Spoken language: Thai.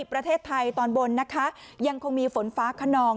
ประเทศไทยตอนบนนะคะยังคงมีฝนฟ้าขนอง